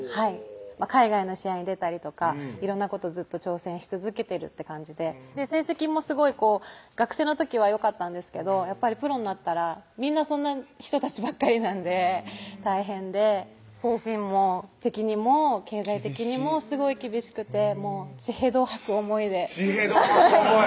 海外の試合に出たりとか色んなことずっと挑戦し続けてるって感じで成績もすごい学生の時はよかったんですけどやっぱりプロになったらみんなそんな人たちばっかりなんで大変で精神的にも経済的にもすごい厳しくて血へどを吐く思いで血へど吐く思い